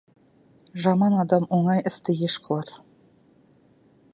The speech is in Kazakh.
Жаман адам оңай істі еш қылар.